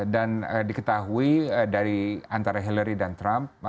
dan diketahui dari antara hillary dan trump